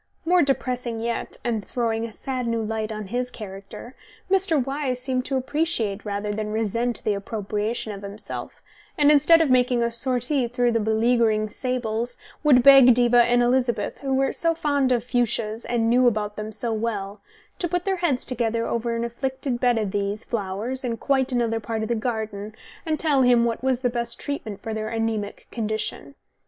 More depressing yet (and throwing a sad new light on his character), Mr. Wyse seemed to appreciate rather than resent the appropriation of himself, and instead of making a sortie through the beleaguering sables, would beg Diva and Elizabeth, who were so fond of fuchsias and knew about them so well, to put their heads together over an afflicted bed of these flowers in quite another part of the garden, and tell him what was the best treatment for their anæmic condition.